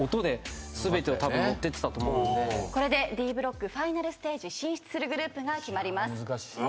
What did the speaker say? これでＤブロックファイナルステージ進出するグループが決まります。